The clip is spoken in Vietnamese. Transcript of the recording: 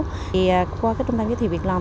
thì qua cái trung tâm giới thiệu việc làm